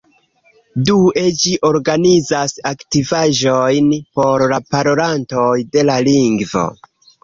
Due, ĝi organizas aktivaĵojn por parolantoj de la lingvo.